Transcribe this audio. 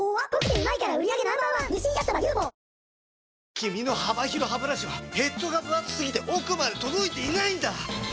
君の幅広ハブラシはヘッドがぶ厚すぎて奥まで届いていないんだ！